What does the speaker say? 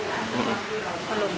sekarang sudah berapa mbak